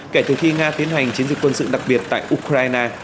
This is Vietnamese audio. kể từ khi nga tiến hành chiến dịch quân sự đặc biệt tại ukraine